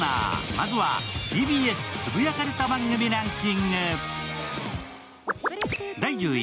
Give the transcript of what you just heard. まずは、ＴＢＳ「つぶやかれた番組ランキング」。